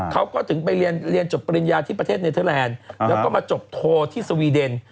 เขาก็ถึงไปเรียนจบปริญญาที่ประเทศเนเทอร์แลนด์แล้วก็มาจบโทรที่สวีเดน